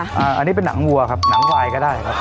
อันนี้เป็นหนังวัวครับหนังควายก็ได้ครับ